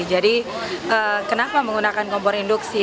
jadi kenapa menggunakan kompor induksi